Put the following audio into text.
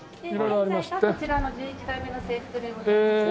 現在がこちらの１１代目の制服でございます。